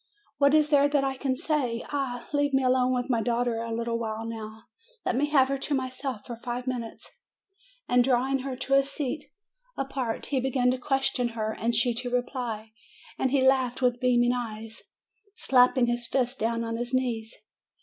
What is there that I can say? Ah! leave me alone with my daughter a little while now. Let me have her to myself for five minutes." And drawing her to a seat apart he began to question her, and she to reply, and he laughed with beaming eyes, slapping his fists down on his knees.